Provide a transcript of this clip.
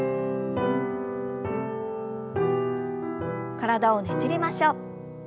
体をねじりましょう。